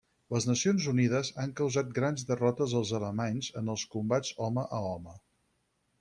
Les Nacions Unides han causat grans derrotes als alemanys, en els combats home a home.